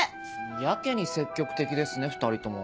やけに積極的ですね２人とも。